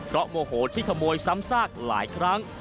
เพราะโมโหที่ขโมยซ้ำซากหลายครั้ง